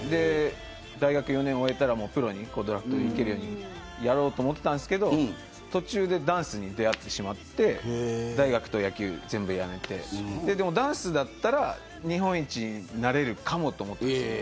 大学４年終えたら、プロにドラフトでいけるようにやろうと思ってたんですけど途中でダンスに出合ってしまって大学と野球、全部やめてダンスだったら日本一になれるかもと。